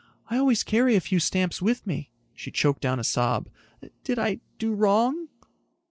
I always carry a few stamps with me." She choked down a sob. "Did I do wrong?"